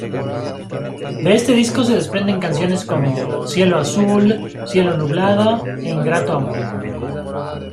De este disco se desprenden canciones como: Cielo azul, cielo nublado e Ingrato amor.